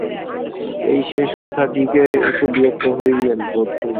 এই শেষ কথাটিতে একটু বিরক্ত হইলেন, বোধ হইল।